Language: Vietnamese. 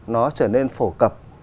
nó trở nên phổ cập